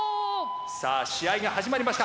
さあ試合が始まりました。